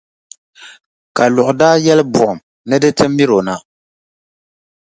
Kaluɣi daa yɛli buɣum ni di di ti miri o na.